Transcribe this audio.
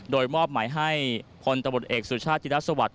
โดยมอบหมายให้พลตบริเวศจิตรสวรรค์